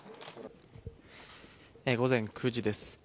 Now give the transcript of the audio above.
午前９時です。